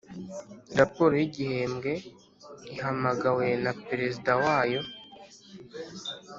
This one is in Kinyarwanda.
Raporo yigihembwe ihamagawe na Perezida wayo